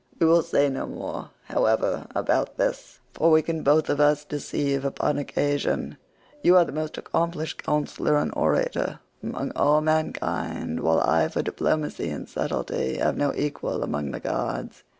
We will say no more, however, about this, for we can both of us deceive upon occasion—you are the most accomplished counsellor and orator among all mankind, while I for diplomacy and subtlety have no equal among the gods.